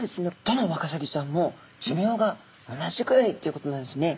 どのワカサギちゃんも寿命が同じぐらいっていうことなんですね。